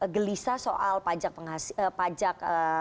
gelisah soal pajak